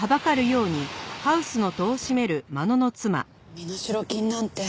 身代金なんて。